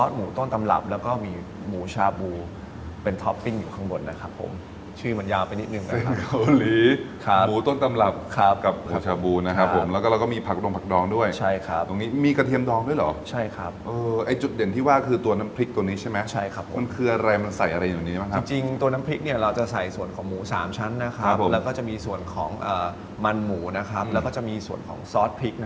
หมูต้นตำรับครับกับผัวชาบูนะครับแล้วก็เราก็มีผักดองผักดองด้วยใช่ครับมีกระเทียมดองด้วยหรอใช่ครับจุดเด่นที่ว่าคือตัวน้ำพริกตัวนี้ใช่ไหมใช่ครับมันคืออะไรมันใส่อะไรอยู่ในนี้นะครับจริงตัวน้ำพริกเนี่ยเราจะใส่ส่วนของหมู๓ชั้นนะครับแล้วก็จะมีส่วนของมันหมูนะครับแล้วก็จะมีส่วนของซอสพริกนะ